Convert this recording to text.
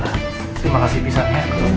terima kasih bisa ngelakuin